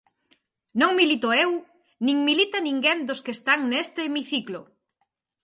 Non milito eu nin milita ninguén dos que están neste hemiciclo.